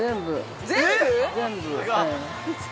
◆全部。